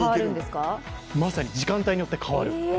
時間帯によって変わる。